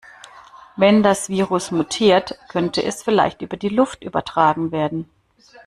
Wenn das Virus mutiert, könnte es vielleicht über die Luft übertragen werden.